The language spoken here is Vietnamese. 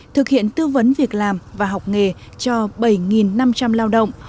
trung tâm tư vấn việc làm và học nghề cho bảy năm trăm linh lao động